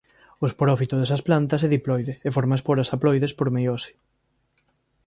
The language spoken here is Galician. O esporófito desas plantas é diploide e forma esporas haploides por meiose.